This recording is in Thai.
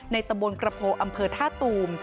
ตำบลกระโพอำเภอท่าตูม